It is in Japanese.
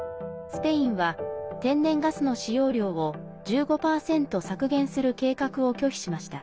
スペインは天然ガスの使用量を１５％削減する計画を拒否しました。